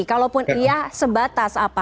kalaupun iya sebatas apa